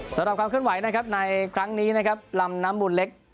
สำหรับความขึ้นไหวในครั้งนี้ลำน้ำบุญเล็ก